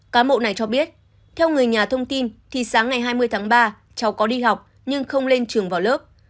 cán bộ này cho biết theo người nhà thông tin thì sáng ngày hai mươi tháng ba cháu có đi học nhưng không lên trường vào lớp